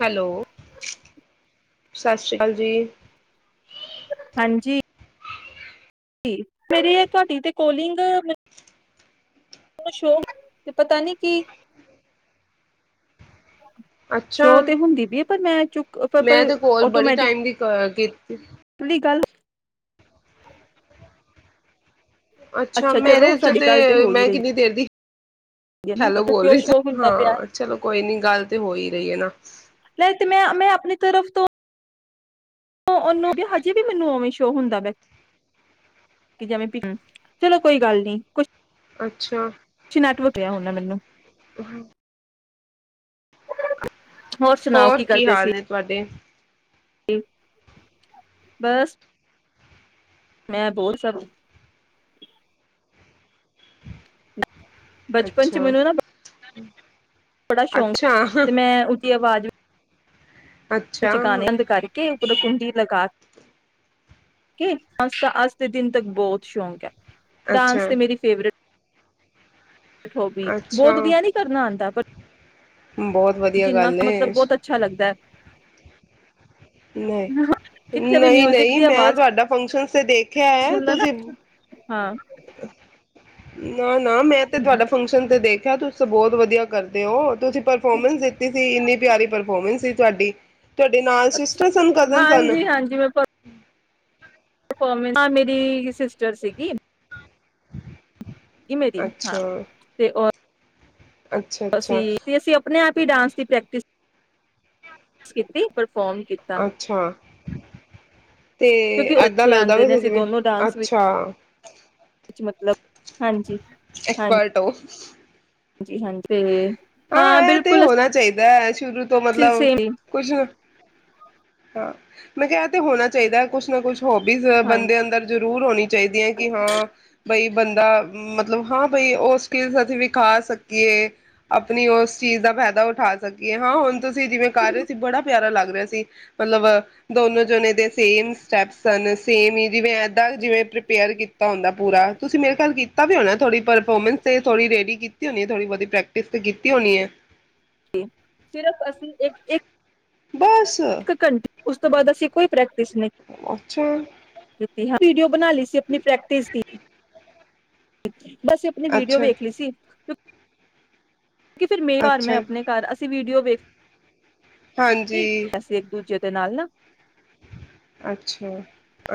Hello. ਸਤਿ ਸ੍ਰੀ ਅਕਾਲ ਜੀ। ਹਾਂਜੀ। ਮੇਰੇ ਤੇ ਤੁਹਾਡੀ ਤੇ ਕੋਲਿੰਗ [inaudible] ਸ਼ੋ ਤੇ ਪਤਾ ਨੀ ਕੀ ਅੱਛਾ, ਸ਼ੋਅ ਤੇ ਹੁੰਦੀ ਵੀ ਏ ਪਰ ਮੈਂ ਚੁੱਕ ਪ ਮੈਂ ਪਰ ਤੇ ਕੋਲ ਬੜੀ ਆਟੋਮੈਟਿ ਟਾਈਮ ਦੀ ਕ ਕੀਤੀ। ਕਲੀ ਗੱਲ ਅੱਛਾ ਮੇਰੇ ਚਲੋ ਚ ਸਾਡੀ ਗੱਲ ਤੇ, ਹੋ ਹੀ ਮੈਂ ਰਹੀ ਕਿੰਨੀ ਦੇਰ ਦੀ ਹੈ ਨਾ ਹੈਲੋ ਪਤਾ ਬੋਲ ਕਿਉਂ ਰਹੀ ਸਾ। ਸ਼ੋਅ ਹੁੰਦਾ ਪਿਆ ਹਾਂ ਚਲੋ ਕੋਈ ਨੀ ਗੱਲ ਤੇ ਹੋ ਈ ਰਹੀ ਏ ਨਾ। ਲੈ ਤੇ ਮੈਂ ਆਪਣੀ ਤਰਫ ਤੋਂ ਉਹ ਉਹਨੂੰ ਤੇ ਹਜੇ ਵੀ ਮੈਨੂੰ ਉਵੇਂ ਸ਼ੋ ਹੁੰਦਾ ਵੇ। ਕੀ ਜਿਵੇਂ, [unintelligible] ਚਲੋ ਕੋਈ ਗੱਲ ਨੀ। ਕੁਛ ਅੱਛਾ। ਜੀ, ਨੈਟਵ ਪਿਹੈ ਉਹਨੇ ਮੈਨੂੰ। [unintelligible] ਹੋਰ, ਕੀ ਹਾਲ ਨੇ ਤੁਹਾਡੇ? ਏ, ਬਸ ਮੈਂ ਬੋਰ ਸਬ ਬਚਪਨ ਚ ਅੱਛਾ, ਮੈਨੂੰ ਨਾ ਬੜਾ ਸ਼ੌਕ ਅੱਛਾ, ਤੇ ਮੈਂ ਉਦੀ ਆਵਾਜ਼ ਵਿੱਚ ਅੱਛਾ, ਗਾਣੇ ਅੰਦ ਕਰਕੇ ਉਦਰ ਕੁੰਡੀ ਲਗਾ ਕੇ ਅੱਜ ਤਾਂ ਅੱਜ ਦੇ ਦਿਨ ਤੱਕ ਬਹੁਤ ਸ਼ੌਕ ਹੈ। ਡਾਂਸ ਅੱਛਾ। ਤੇ ਮੇਰੀ ਫੇਵਰੇਟ ਠੋਬੀ, ਅੱਛਾ, ਬਹੁਤ ਵਧੀਆ ਨੀ ਕਰਨਾ ਆਉਂਦਾ ਪਰ ਬਹੁਤ ਵਧੀਆ ਜਿੰਨਾ ਗੱਲ ਮਤਲਬ ਏ। ਬਹੁਤ ਅੱਛਾ ਲੱਗਦਾ ਹੈ ਨੇ, ਕਿੱਥੇ ਵੀ ਮਿਊਜਿਕ ਨਈ-ਨਈ ਦੀ ਮੈਂ ਆਵਾਜ਼ ਤੁਹਾਡਾ ਫੰਕਸ਼ਨਸ ਤੇ ਦੇਖਿਆ ਐ, ਸੁਣ ਲ ਨਾ ਤੁਸੀ ਹਾਂ। [inaudible] ਨਾ, ਨਾ ਮੈਂ ਤੇ ਤੁਹਾਡਾ ਫੰਕਸ਼ਨ ਤੇ ਦੇ ਖੈ ਤੁਸੀ ਤੇ ਬਹੁਤ ਵਧੀਆ ਕਰਦੇ ਔ। ਤੁਸੀ ਪਰਫੋਰਮੈਂਸ ਦਿੱਤੀ ਸੀ, ਇੰਨੀ ਪਿਆਰੀ ਪਰਫੋਰਮੈਂਸ ਸੀ ਤੁਹਾਡੀ। ਤੁਹਾਡੇ ਨਾਲ ਸਿਸਟਰ ਸਨ, ਕਜ਼ਨ ਸਨ? ਹਾਂਜੀ ਪਰਫੌਰਮੰਸ, ਹਾਂ ਮੇਰੀ ਸਿਸਟਰ ਸੀਗੀ। ਈ ਮੇਰੀ ਹਾਂ, ਅੱਛਾ ਤੇ ਉਹ ਅੱਛਾ ਅੱਛਾ ਅਸੀਂ, ਤੇ ਅਸੀਂ ਆਪਣੇ ਆਪ ਭੀ ਡਾਂਸ ਦੀ ਪ੍ਰੈਕਟਿਸ ਕੀਤੀ ਪਰ ਕਾੱਲ ਕੀਤਾ। ਅੱਛਾ ਤੇ ਕਿਉਂਕਿ ਏਦਾਂ ਬੱਚੇ ਲੱਗਦਾ ਆਉਂਦੇ ਵੇਆ ਨੇ ਜ਼ਿ ਅਸੀਂ ਜਿਵੇਂ ਦੋਨੋ ਡਾਂਸ ਅੱਛਾ ਵਿੱਚ ਮਤਲਬ ਹਾਂਜੀ। ਇੱਕ ਪਲਟੋ ਹਾਂਜੀ-ਹਾਂਜੀ ਤੇ ਹਾਂ, ਇਹ ਤੇ ਹੋਣਾ ਚਾਹੀਦਾ ਏ। ਸ਼ੁਰੂ ਤੋਂ ਮਤਲਬ ਸੇਮ ਕੁਛ ਨਾ ਹਾਂ, ਮੈਂ ਕਿਹਾ ਇਹ ਤੇ ਹੋਣਾ ਚਾਹੀਦੈ। ਕੁਛ ਨਾ ਕੁਛ ਹੋਬੀਜ਼ ਬੰਦੇ ਹਾਂਜੀ ਅੰਦਰ ਜ ਦੂਰ ਹੋਣੀ ਚਾਹੀਦੀਆਂ ਹੈ। ਕਿ ਹਾਂ ਬਈ ਬੰਦਾ, ਮਤਲਬ ਹਾਂ ਬਈ ਉਹ ਸਕਿਲਸ ਅਸੀਂ ਵਿਖਾ ਸਕੀਏ। ਆਪਣੀ ਉਸ ਚੀਜ਼ ਦਾ ਫਾਇਦਾ ਉਠਾ ਸਕੀਏ। ਹਾਂ ਹੁਣ ਤੁਸੀਂ ਜਿਵੇਂ ਕਰ ਰਹੇ ਸੀ ਬੜਾ ਪਿਆਰਾ ਲੱਗ ਰਿਹਾ ਸੀ। ਮਤਲਬ ਦੋਨੋ ਜਣੇ ਦੇ ਸੇਮ ਸਟੈਪਸ ਸਨ, ਸੇਮ ਹੀ ਜਿਵੇਂ ਏਦਾਂ ਜਿਵੇਂ ਪ੍ਰੀਪੇਅਰ ਕੀਤਾ ਹੁੰਦਾ ਪੂਰਾ, ਤੁਸੀਂ ਮੇਰੇ ਖਿਆਲ ਕੀਤਾ ਵੀ ਹੋਣਾ ਥੋੜੀ ਪਰਫੋਰਮੈਂਸ ਤੇ ਥੋੜੀ ਰੇਡੀ ਕੀਤ ਕੀਤੀ ਹੋਣੀ ਏ ਥੋੜੀ ਬਹੁਤੀ ਪ੍ਰੈਕ [unintelligible] ਤੇ ਕੀਤੀ ਹੋਣੀ ਹੈ? [unintelligible] ਸਿਰਫ ਅਸੀ ਇੱਕ ਇੱਕ ਬਸ। ਘੰਟੇ ਉਸ ਤੋਂ ਬਾਅਦ ਅਸੀਂ ਕੋਈ ਪ੍ਰੈਕ ਅੱਛਾ। [unintelligible] ਵੀਡੀਓ ਬਨਾ ਲਈ ਸੀ ਆਪਣੀ ਪ੍ਰੈਕਟਿਸ ਦੀ। [inaudible] ਬਸ ਆਪਣੀ ਵੀਡੀਓ ਅੱਛਾ ਵੇਖ ਲਈ ਸੀ [unintelligible] ਕੀ ਫਿਰ ਮੇ ਘਾਰ, ਮੈਂ ਅੱਛਾ ਆਪਣੇ ਘਾਰ। ਅਸੀ ਵੀਡੀਓ ਵੇਖ ਹਾਂਜੀ [unintelligible] ਅਸੀ ਇੱਕ ਦੂਜੇ ਦੇ ਨਾਲ ਨਾ ਅੱਛਾ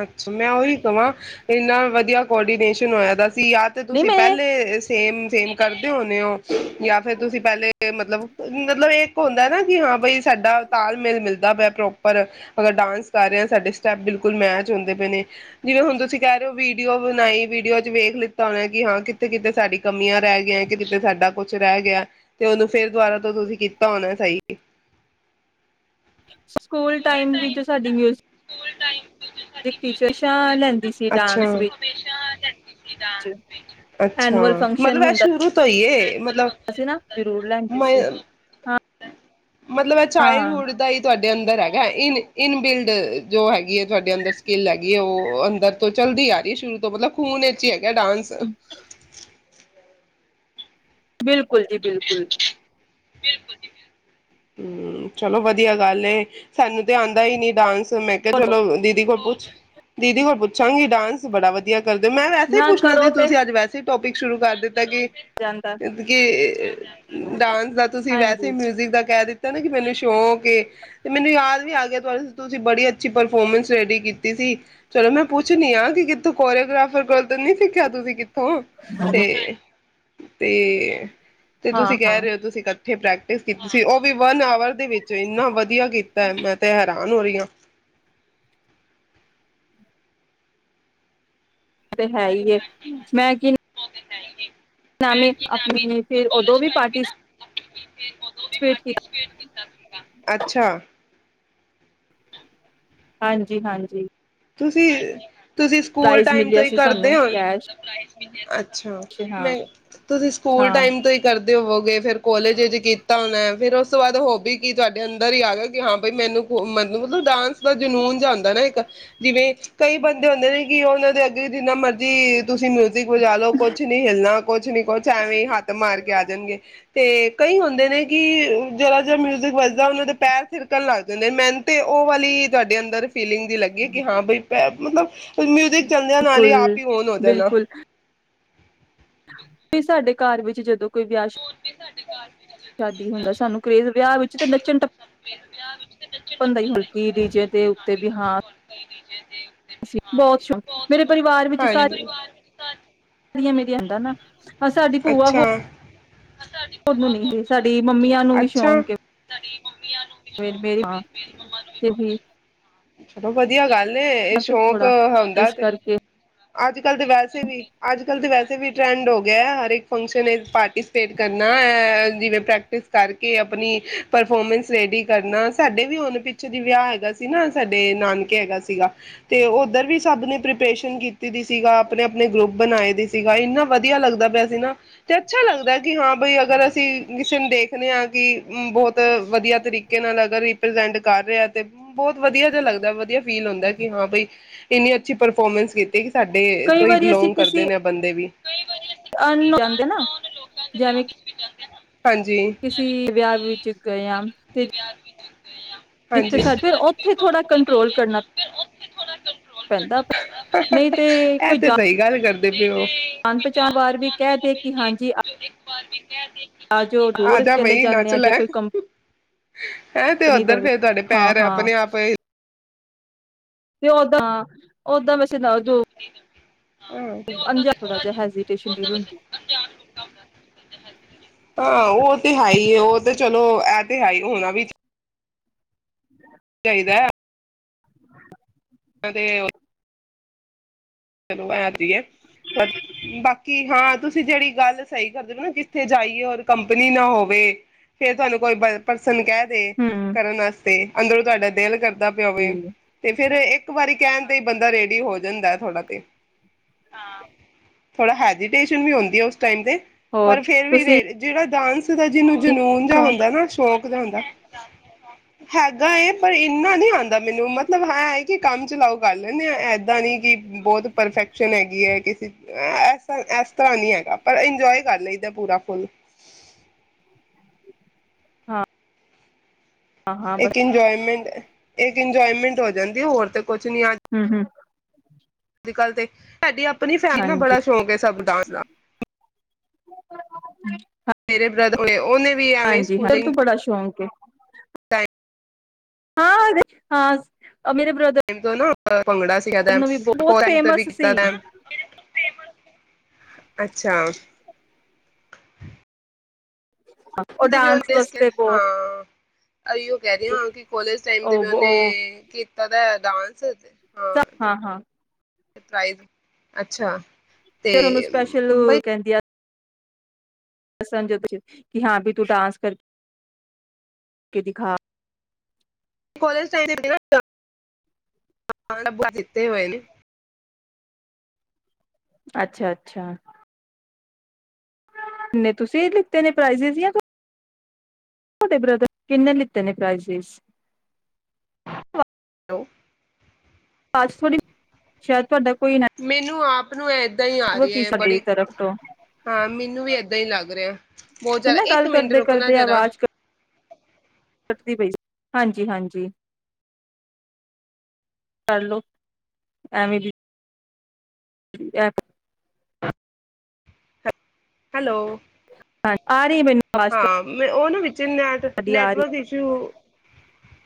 ਅ ਮੈਂ ਉਹੀ ਕਵਾਂ ਇੰਨਾ ਵਧੀਆ ਕੋਰਡੀਨੇਸ਼ਨ ਹੋਇਆ ਦਾ ਸੀ ਯਾ‌ ਤੇ ਨਹੀਂ ਤੁਸੀਂ ਮੈਂ ਪਹਿਲੇ ਸੇਮ ਸੇਮ ਕਰਦੇ ਹੋਣੇ ਹੋ ਯਾ ਫਿਰ ਤੁਸੀਂ ਪਹਿਲੇ ਤੇ ਮਤਲਬ, ਮਤਲਬ ਇਹ ਹੁੰਦਾ ਨਾ ਕੀ ਹਾਂ ਬਈ ਸਾਡਾ ਤਾਲਮੇਲ ਮਿਲ [unintelligible] ਕੈ ਉੱਪਰ ਅਗਰ ਡਾਂਸ ਕਰ ਰਿਹਾ ਸਾਡੇ ਸਟੈਪ ਬਿਲਕੁਲ ਮੈਚ ਹੁੰਦੇ ਪਏ ਨੇ ਜਿਵੇਂ ਹੁਣ ਤੁਸੀਂ ਕਹਿ ਰਹੇ ਹੋ ਵੀਡੀਓ ਬਣਾਈ, ਵੀਡੀਓ ਚ ਵੇਖ ਲਿੱਤਾ ਹੋਣਾ ਕਿ ਹਾਂ ਕਿੱਥੇ-ਕਿੱਥੇ ਸਾਡੀ ਕਮੀਆਂ ਰਹਿ ਗਈਆਂ, ਕਿੱਥੇ-ਕਿੱਥੇ ਸਾਡਾ ਕੁਛ ਰਹਿ ਗਿਆ ਤੇ ਉਹਨੂੰ ਫਿਰ ਦੁਬਾਰਾ ਤੋਂ ਤੁਸੀਂ ਕੀਤਾ ਹੋਣਾ ਐ ਸਹੀ। ਸਕੂਲ ਟਾਈਮ ਵਿੱਚ ਸਾਡੀ ਮਯੁਸ ਫੁਲ ਟਾਈਮ ਤੇ ਟੀਚਰ ਸ਼ਾਂ ਲੈਂਦੀ ਸੀ ਅੱਛਾ। ਡਾਂਸ ਵਿੱਚ। ਅੱਛਾ, ਮਤਲਬ ਇਹ ਸ਼ੁਰੂ ਤੋਂ ਈ ਏ। ਏ ਮ ਮਤਲਬ ਅਸੀਂ ਨਾ ਜ਼ਰੂਰ ਲੈਂਦੇ ਸੀ, ਹਾਂ। ਮਤਲਬ ਇਹ ਹਾਂ ਚਾਈਲਡਹੁੱਡ ਦਾ ਈ ਤੁਹਾਡੇ ਅੰਦਰ ਹੈਗਾ ਇਨ ਇਨ ਬਿਲਡ ਜੋ ਹੈਗੀ ਏ ਤੁਹਾਡੇ ਅੰਦਰ ਸਕਿੱਲ ਹੈਗੀ ਏ ਉਹ ਅੰਦਰ ਤੋਂ ਚੱਲਦੀ ਆ ਰਈ ਏ ਸ਼ੁਰੂ ਤੋਂ ਮਤਲਬ ਖੂਨ ਇੱਚ ਈ ਹੈਗੀ ਕਯਾ ਡਾਂਸ ਅ ਬਿਲ ਕੁਲ ਜੀ ਬਿਲਕੁਲ। ਬਿਲਕੁਲ ਜੀ ਬਿਲਕੁਲ। ਹੂੰ, ਚਲੋ ਵਧੀਆ ਗੱਲ ਏ ਸਾਨੂੰ ਤੇ ਆਂਦਾ ਈ ਨੀ ਡਾਂਸ। ਤੇ ਮੈਂ ਕਿਹਾ ਕਰੋ ਚਲੋ ਦੀਦੀ ਕੋਲ ਪੁ ਦੀਦੀ ਕੋਲ ਪੁੱਛਾਂਗੀ ਡਾਂਸ ਬੜਾ ਵਧੀਆ ਕਰਦੇ, ਮੈਂ ਵੈਸੇ ਈ ਨਾ ਪੁੱਛਣਾ ਕਰੋ ਸੀ ਤੇ ਤੁਸੀ ਅੱਜ ਵੈਸੇ ਈ ਟੋਪਿਕ ਸ਼ੁਰੂ ਕਰ ਦਿੱਤ ਦਾ ਕਿ, ਜਾਂਦਾ ਤਿਦ ਕਿ ਡਾਂਸ ਦਾ ਤੁਸੀਂ ਵੈਸੇ ਹੀ ਹਾਂਜੀ ਮਿਊਜ਼ਿਕ ਦਾ ਕਹਿ ਦਿੱਤਾ ਨੀ ਕਿ ਮੈਨੂੰ ਸ਼ੌਕ ਏ ਤੇ ਮੈਨੂੰ ਯਾਦ ਵੀ ਆ ਗਿਆ ਤੁਸੀਂ ਬੜੀ ਅੱਛੀ ਪਰਫੋਰਮੈਂਸ ਰੈਡੀ ਕੀਤੀ ਸੀ। ਚਲੋ ਮੈਂ ਪੁੱਛਣੀ ਆ ਕਿ ਤੂੰ ਕੋਰੀਓਗ੍ਰਾਫਰ ਕੋਲ ਤਾਂ ਨ ਨਹੀਂ ਸਿੱਖਿਆ ਤੁਸੀਂ ਕਿ ਹੂੰ ਤੇ ਤੇ ਤੇ ਹਾਂ ਤੁਸੀਂ ਹਾਂ ਕਹਿ ਰਹੇ ਹੋ ਤੁਸੀਂ ਇੱਥੇ ਪ੍ਰੈਕਟਿਸ ਕੀਤੀ ਸੀ। ਉਹ ਵੀ ਵਨ ਆਵਰ ਦੇ ਵਿੱਚ ਇੰਨਾ ਵਧੀਆ ਕੀਤਾ ਮੈਂ ਤੇ ਹੈਰਾਨ ਹੋ ਰਹੀ ਹਾਂ। ਇਹ ਤਾ ਹੈ ਈ ਏ, ਮੈਂ ਕੀ ਨਹੀਂ ਨਹੀ ਮੈ ਨਾਮੀ ਕੀ ਨਾਮ ਹੈ, ਆਪਣੀ ਫਿਰ ਉਦੋਂ ਕਾਲਜ ਟਾਈਮ ਵੀ ਨਾ, ਪਾਰਟੀਸਪੇਟ ਉਦੋਂ ਵੀ ਕੀਤਾ ਪਾਰਟੀਸਪੇਟ ਕੀਤਾ ਸੀਗਾ, ਅੱਛਾ। ਹਾਂਜੀ, ਹਾਂਜੀ ਤੁਸੀਂ ਤੁਸੀਂ ਸਕੂਲ ਪ੍ਰਾਈਜ਼ ਟਾਈਮ ਤੋਂ ਮਿਲਿਆ ਹੀ ਸੀ ਕਰਦੇ ਸਾਨੂੰ ਹੋ ਕੈਸ਼ ਅੱਛਾ, ਹਾਂ ਮੈਂ ਤੁਸੀਂ ਸਕੂਲ ਹਾਂ ਟਾਈਮ ਤੋਂ ਹੀ ਕਰਦੇ ਹੋਵੋਗੇ ਫੇਿਰ ਕੋਲੇਜ ਵਿੱਚ ਕੀਤਾ ਹੁਣਾ ਫੇਰ ਉਸ ਤੋਂ ਬਾਅਦ ਹੋਬੀ ਕੀ ਤੁਹਾਡੇ ਅੰਦਰ ਹੀ ਆ ਗਿਆ ਕਿ ਹਾਂ ਬਾਈ ਮੈਨੂੰ ਮਤਲਬ ਡਾਂਸ ਦਾ ਜਨੂੰਨ ਜਿਹਾ ਹੁੰਂਦਾ ਨਾ ਇੱਕ ਜਿਵੇਂ ਕਈ ਬੰਦੇ ਹੁੰਦੇ ਨੇ ਕਿ ਉਹ ਉਹਨਾਂ ਦੇ ਅੱਗੇ ਜਿੰਨਾ ਮਰਜ਼ੀ ਤੁਸੀਂ ਮਿਊਜ਼ਿਕ ਵਜਾ ਲਓ, ਕੁਛ ਨੀ ਹਿਲਣਾ ਕੁਛ ਨੀ ਕੁਛ ਐਵੇਂ ਹੀ ਹੱਥ ਮਾਰ ਕੇ ਆ ਜਾਣਗੇ। ਤੇ ਕਈ ਹੁੰਦੇ ਨੇ ਕਿ ਜਰਾ ਜਿਹਾ ਮਿਊਜਿਕ ਵਜਦਾ ਉਹਨਾਂ ਦੇ ਪੈਰ ਥਿਰਕਣ ਲੱਗ ਜਾਂਦੇ। ਮੈਨੂੰ ਤੇ ਉਹ ਵਾਲੀ ਤੁਹਾਡੇ ਅੰਦਰ ਫੀਲਿੰਗ ਜੀ ਲੱਗੀ ਕਿ ਹਾਂ ਬਈ ਪੈ ਮਤਲਬ ਫਿਰ ਮਿਊਜਿਕ ਚਲਦਿਆਂ ਨਾਲ ਬਿਲਕੁਲ ਹੀ ਆਪ ਹੀ ਓਨ ਔਨ ਹੋ ਜਾਣਾ। ਬਿਲਕੁਲ ਵੀ ਸਾਡੇ ਘਰ ਵਿੱਚ ਜਦੋਂ ਕੋਈ ਵਿਆਹ ਸਾਡੇ ਘਰ ਵਿਆਹ -ਸ਼ਾਦੀ ਹੁੰਦਾ ਸਾਨੂੰ ਕਰੇਜ਼ ਵਿਆਹ ਵਿੱਚ ਤੇ ਨੱਚਣ ਟੱਪਣ ਦਾ ਹੀ ਹੁੰਦਾ ਕੇ ਡੀਜੇ ਦੇ ਉੱਤੇ ਵੀ ਹਾਂ ਬਹੁਤ ਸ਼ੌਕ ਮੇਰੇ ਪਰਿਵਾਰ ਵਿੱਚ ਸਾਰੇ ਅ [unintelligible] ਤਾਹਿਆਂ ਮੈਂ ਲਿਆਂਦਾ ਨਾਹ, ਹਾਂ ਸਾਡੀ ਭੂਆ ਹੋ ਅੱਛਾ ਓਹਨੂੰ ਨਹੀ, ਤੇ ਸਾਡੀ ਮੰਮੀਆਂ ਨੂੰ ਵੀ ਅੱਛਾ ਸ਼ੌਂਕ ਤਏ ਤੇ ਫੇਰ। ਛੱਡੋ ਭਾਜੀ ਵਧੀਆ ਗੱਲ ਏ। ਇਹ ਸ਼ੌਕ ਥੋੜਾ ਹੁੰਦਾ ਇਸ ਤੇ ਕਰਕੇ ਅੱਜਕੱਲ ਤਾ ਵੈਸੇ ਵੀ, ਅੱਜ ਕੱਲ ਤੇ ਵੈਸੇ ਵੀ ਟਰੈਂਡ ਹੋ ਗਿਆ ਆ, ਹਰ ਇੱਕ ਫੰਕਸ਼ਨ ਪਾਰਟੀਸਪੇਟ ਕਰਨਾ ਜਿਵੇਂ ਪ੍ਰੈਕਟਿਸ ਕਰਕੇ ਆਪਣੀ ਪਰਫੋਰਮੈਂਸ ਰੈਡੀ ਕਰਨਾ। ਸਾਡੇ ਵੀ ਹੁਣ ਪਿੱਛੇ ਦੀ ਵਿਆਹ ਹੈਗਾ ਸੀ ਨਾ ਸਾਡੇ ਨਾਨਕੇ ਹੈਗਾ ਸੀਗਾ ਤੇ ਉੱਧਰ ਵੀ ਸਭ ਨੇ ਪ੍ਰੀਪਰੇਸ਼ਨ ਕੀਤੀ ਦੀ ਸੀਗਾ ਆਪਣੇ -ਆਪਣੇ ਗਰੁੱਪ ਬਣਾਏ ਦੀ ਸੀਗਾ। ਇੰਨਾ ਵਧੀਆ ਲੱਗਦਾ ਵੀ ਅਸੀਂ ਨਾ ਤੇ ਅੱਛਾ ਲੱਗਦਾ ਕਿ ਹਾਂ ਬਈ ਅਗਰ ਅਸੀਂ ਕਿਸੇ ਨੂੰ ਦੇਖਦੇ ਹਾਂ ਕਿ ਬਹੁਤ ਵਧੀਆ ਤਰੀਕੇ ਨਾਲ ਅਗਰ ਰੀਪ੍ਰਜੈਂਟ ਕਰ ਰਹਾ ਤੇ ਬਹੁਤ ਵਧੀਆ ਜੇਹਾ ਲੱਗਦਾ ਵਧੀਆ ਫੀਲ ਹੁੰਦਾ ਕਿ ਹਾਂ ਬਾਈ ਇੰਨੀ ਅੱਛੀ ਪਰਫੋਰਮੈਂਸ ਕੀਤੀ। ਸਾਡੇ ਕਈ ਤੋਂ ਹੀ ਵਾਰੀ ਅਸੀਂ ਬਿਲੋਂਗ ਕਰਦੇ ਕਿਸੇ ਨੇ ਆ ਬੰਦੇ ਵੀ [unintelligible] ਜਾਂਦੇ ਨਾ, ਜੇਵੇਂ ਕਿ [unintelligible] ਕਿਸੀ ਵਿਆਹ ਵਿੱਚ ਗਿਆ। [unintelligible] ਜਿੱਥੇ ਹਾਂਜੀ ਸਾਡ, ਫਿਰ ਉੱਥੇ ਥੋੜ੍ਹਾ ਕੰਟਰੋਲ ਕਰਨਾ ਪੈਂਦਾ ਨਹੀਂ ਤੇ ਇਹ ਕੋਈ ਤੇ ਜਾ ਸਹੀ ਗੱਲ ਕਰਦੇ ਪਏ ਹੋ ਅੰਤ ਚਾਰ ਵਾਰ ਵੀ ਕਹਿ ਦੇ ਕਿ ਹਾਂਜੀ ਅੱਜ ਓਹ ਆ ਦੂਰ ਜਾ ਚਲੇ ਬਈ ਜਾਂਦੇ ਨੱਚ ਆ ਲੈ ਜੇ ਕੋਈ ਕੰਮ ਹੈਂ ਤੇ ਉੱਧਰ ਫੇਰ ਤੁਹਾਡੇ ਪੈਰ ਹਾਂ ਆਪਣੇ ਆਪ ਤੇ ਓਦਾਂ ਓਦਾਂ ਬਸ ਤੇ ਦੱਸ ਦੋ। ਵੀ ਅੰਜਾ ਥੋੜ੍ਹਾ ਜਿਹਾ ਹੈਜ਼ੀਟੇਸ਼ਨ ਫੀਲ ਹੁੰਦੀ ਹਾਂ, ਉਹ ਤੇ ਹੈ ਹੀ ਏ ਉਹ ਤੇ ਚ ਚਲੋ ਇਹ ਤੇ ਹੈ ਈ ਹੋਣਾ ਵੀ ਚਾਹੀਦਾ ਏ। [unintelligible] ਕਦੇ ਔ ਚਲੋ ਐ ਤੀ ਐ। ਪਰ ਬਾਕੀ ਹਾਂ ਤੁਸੀ ਜਿਹੜੀ ਗੱਲ ਸਹੀ ਕਰਦਿਓ ਨਾ ਕਿੱਥੇ ਜਾਈਏ ਹੋਰ ਕੰਪਨੀ ਨਾ ਹੋਵੇ ਫੇਰ ਤੁਹਾਨੂੰ ਕੋਈ ਬਲ ਪਰਸ ਸਾਨੂੰ ਕਹਿ ਦੇ ਹੂੰ ਕਰਨ ਆਸਤੇ। ਅੰਦਰੋਂ ਤੁਹਾਡਾ ਦਿਲ ਕਰ ਜੀ ਪਿਆਵੇ ਤੇ ਫਿਰ ਇੱਕ ਇੱਕ ਵਾਰੀ ਕਹਿਣ ਤੇ ਹੀ ਬੰਦਾ ਰੇਡੀ ਹੋ ਜਾਂਦਾ ਥੋੜ੍ਹਾ। ਥੋੜਾ ਹੈਜੀਟੇਸ਼ਨ ਵੀ ਹੁੰਦੀ ਏ ਉਸ ਟਾਈਮ ਤੇ ਪਰ ਹੋਰ ਫੇਰ ਵੀ ਤੁਸੀਂ ਰ ਜਿਹੜਾ ਡਾਂਸ [unintelligible] ਜਿਹਨੂੰ ਜਨੂੰਨ ਜਾ ਸ਼ੌਕ ਹੁੰਦਾ ਏ ਨਾ ਸ਼ੌਕ। ਹੂੰਦਾ। ਹੈਗਾ ਏ ਪਰ ਇੰਨਾ ਨੀ ਆਂਦਾ ਮੈਨੂੰ ਮਤਲਬ ਇਹ ਹੈ ਕਿ ਕੰਮ ਚਲਾਓ ਕਰ ਲੈਣੇ ਆ ਏਦਾਂ ਨੀ ਕਿ ਬਹੁਤ ਪਰਫੈਕਸ਼ਨ ਹੈਗੀ ਐ ਕਿਸ ਅ ਇਸ ਤ ਇਸ ਤਰ੍ਹਾਂ ਨੀ ਹੈਗਾ ਪਰ ਇੰਜੋਏ ਕਰ ਲਈਦਾ ਏ ਪੂਰਾ ਫੁੱਲ। ਹਾਂ। ਹਾਂ ਹਾਂ ਬਸ ਇੱਕ ਇੰਜੋਏਮੈਂਟ ਅ ਇੱਕ ਇੰਜੋਏਮੈਂਟ ਹੋ ਜਾਂਦੀ ਏ ਹੋਰ ਤੇ ਪੁੱਛ ਨੀ ਆਜ ਹੂੰ ਹੂੰ ਅੱਜ ਕੱਲ੍ਹ ਤੇ ਸਾਡੀ ਆਪਣੀ ਫੈਮਲੀ ਨਾ ਹਾਂਜੀ ਬੜਾ ਸ਼ੌਂਕ ਹੈ ਸਭ ਡਾਂਸ ਦਾ। ਮੇਰੇ ਬ੍ਰਦਰ ਉਹਨੇ ਵੀ ਐਵੇਂ ਹਾਂਜੀ ਹਾਂ ਸਕੂਲਿੰਗ ਤੂੰ ਬੜਾ ਸ਼ੌਕ ਹੈ ਟਾਇਮ ਹਾਂ ਹਾਂ [unintelligible] ਆ ਮੇਰੇ ਬ੍ਰਦਰ ਟਾਈਮ ਤੋਂ ਨਾ ਭੰਗੜਾ ਸੀਖਾਂਦਾ ਨੂੰ ਵੀ ਬਹੁਤ ਔਰ ਐਟਰ ਵੀ ਫੇਮਸ ਕੀਦਾ ਸੀ ਦਾ ਫੇਮਸ। [unintelligible] ਅੱਛਾ। ਅ ਉਹ ਤੇ ਵੀ ਡਾਂਸ ਉਹਨੇ ਵਾਸਤੇ ਬਹੁਤ ਹਾਂ ਅਈਓ ਕਹਿ ਦੇ ਆ ਕਿ ਕੋਲੇਜ ਟਾਈਮ ਤੇ ਵੀ ਉਹਨੇ ਉਹ ਕੀਤਾ ਦ ਡਾਂਸ ਤੇ। ਸਭ ਹਾਂ ਹਾਂ। ਤਿ ਪਰਾਈਜ, ਅੱਛਾ। ਤੇ ਫਿਰ ਉਹਨੂੰ ਸਪੈਸ਼ਲ ਬਈ ਕਹਿੰਦੀ ਆ ਅਸਾਂ ਚੁੱਪ ਸੀ ਕਿ ਹਾਂ ਵੀ ਤੂੰ ਡਾਂਸ ਕਰਕੇ ਦਿਖਾ। [unintelligible] ਕਾਲਜ ਟਾਈਮ ਨੀ ਨਾਂ ਅਦਾ ਹਾਂ ਹੋਏ। [unintelligible] ਅੱਛਾ ਅੱਛਾ। ਨਹੀਂ, ਤੁਸੀਂ ਲਿੱਤੇ ਨੇ ਪ੍ਰਿਸੇਸ ਯਾ ਥੋਡੇ ਬ੍ਰਦਰ ਕਿੰਨੇ ਲਿੱਤੇ ਨੇ ਪ੍ਰਾਈਸ ਹੈਲੋ ਅੱਜ ਥੋੜੀ, ਸ਼ਾਇਦ ਤੁਹਾਡਾ ਕੋਈ ਮੈਨੂੰ ਆਪ ਤੈਨੂੰ ਇਹ। [unintelligible] ਏਦਾਂ ਹੀ ਆ ਰਈ ਨੈਟਵਰਕ ਏ ਇਸ਼ੂ ਤੁਹਾਡੀ ਬੜੀ, ਤਰਫ ਤੋਂ ਹਾਂ ਮੈਨੂੰ ਵੀ ਇਦਾਂ ਨਹੀਂ ਹੀ ਲੱਗ ਰਿਹਾ। ਬਹੁਤ ਜ਼ਿਆਦਾ ਕਿੰਨਾ ਇੱਕ ਗੱਲ ਮਿੰਟ ਕਰਦੇ ਰੁਕਣਾ ਕਰਦੇ ਜਰਾ ਆਵਾਜ਼ ਕ ਕਟਦੀ ਪਈ। ਹਾਂਜੀ ਹਾਂਜੀ, ਕਰਲੋ ਐਵੇਂ ਈ। ਐਪ ਹੈਲੋ ਆ ਰਹੀ ਐ ਮੈਂਨੂੰ ਆਵਾਜ਼ ਤੁਹਾ ਚਨ net network issue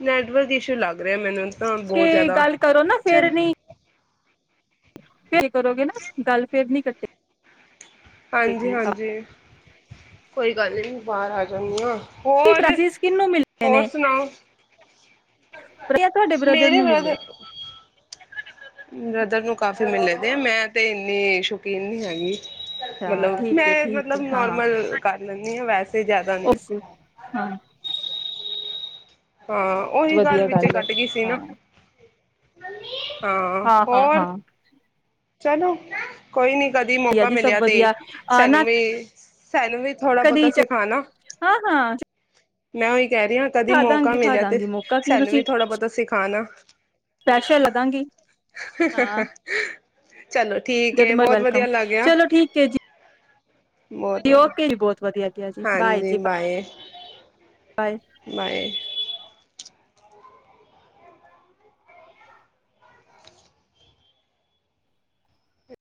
network issue ਲੱਗ ਰਿਹਾ ਮੈਨੂੰ ਤ ਕੇ ਗੱਲ ਕਰੋ ਨਾ ਫੇਰ ਨੀ ਫਿਰ ਕਰੋਗੇ ਨਾ ਗੱਲ ਫੇਰ ਨੀ ਕੱਟ ਹਾਂਜੀ, ਹਾਂਜੀ। ਕੋਈ ਗੱਲ ਨੀ ਬਾਹਰ ਆ ਜਾਨੀਆ। ਕੀ ਪ੍ਰਇਜਿਜ਼ ਕਿਨੂੰ ਮਿਲੇ ਨੇ ਇਹ ਤੁਹਾਡੇ ਬ੍ਰਦਰ ਮੇਰੇ ਨੂੰ ਮਿਲੇ। ਬ੍ਰਦਰ ਬ੍ਰਦਰ ਨੂੰ ਕਾਫ਼ੀ ਮਿਲੇ ਦੇ, ਮੈਂ ਤੇ ਇੰਨੀ ਸ਼ੌਕੀਨ ਨੀ ਹੈਗੀ। ਅੱਛਾ ਮਤਲਬ, ਠੀਕ ਹੈ ਮੈਂ ਮਤਲਬ ਨੋਰਮਲ ਕਰ ਲੈਂਨੀ ਆ [unintelligible] ਓਸੀ ਹਾਂ ਹਾਂ, ਉਹੀ ਗੱਲ ਵਧੀਆ ਵਿੱਚੇ ਹੈ ਕੱਟ ਗਈ ਸੀ ਹਾਂ ਨਾ। ਹਾਂ, ਹਾਂ ਹੋਰ ਹਾਂ ਚਲੋ, ਕੋਈ ਨੀ। ਕਦੀ ਵਧੀਆ ਮੌਕਾ ਜੀ ਸਭ ਮਿਲਿਆ ਤੇ ਵਧੀਆ ਆ ਨਾ ਸਾਨੂੰ ਵੀ। [inaudible] ਸਾਨੂ ਵੀ ਥੋੜਾ ਬਹੁਤਾ ਕਦੀ ਸਿਖਾਣਾ। ਹਾਂ ਹਾਂ ਮੈਂ ਕਹਿ ਰਹੇ ਆ ਕਦੀ ਖਾ ਮੌਕਾ ਦਾਂਗੀ ਖਾ ਮਿਲਿਆ ਤੇ, ਦਾਂਗੀ ਮੌਕਾ ਕੀ ਸਾਨੂੰ ਵੀ ਤੁਸੀਂ ਥੋੜ੍ਹਾ ਬਹੁਤਾ ਸਿਖਾਣਾ। ਸਪੈਸ਼ਲ ਲਦਾਂਗੀ ਹਾਂ ਚਲੋ ਠੀਕ ਜਦ ਹੈ [unintelligible] ਬਹੁਤ ਵੈਲਕਮ ਵਧੀਆ ਲੱਗਿਆ ਚਲੋ ਠੀਕ ਹੈ ਜੀ। ਬਹੁਤ ਓਕੇ ਵਧੀਆ ਜੀ ਬਹੁਤ ਵਧੀਆ ਗਿਆ ਜੀ ਬਾਏ ਜੀ ਬਾਏ। ਬਾਏ